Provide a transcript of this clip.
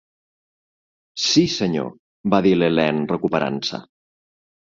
"Sí, senyor", va dir l'Helene, recuperant-se.